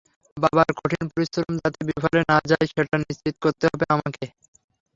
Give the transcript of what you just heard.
বাবার কঠিন পরিশ্রম যাতে বিফলে না যায় সেটা নিশ্চিত করতে হবে আমাকে।